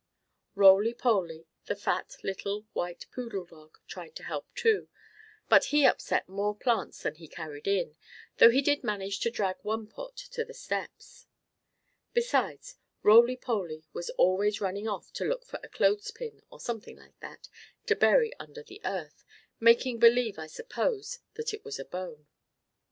Roly Poly, the fat little white poodle dog, tried to help, too, but he upset more plants than he carried in, though he did manage to drag one pot to the steps. Besides, Roly Poly was always running off to look for a clothespin, or something like that, to bury under the earth, making believe, I suppose, that it was a bone.